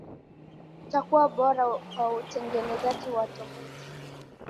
atakuwa bora kwa utengenezaji wa tovuti